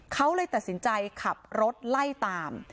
เขาเลยตัดสินใจขับรถไล่ตาม